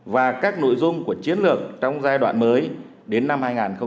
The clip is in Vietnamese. và các nội dung của chiến lược trong giai đoạn mới đến năm hai nghìn ba mươi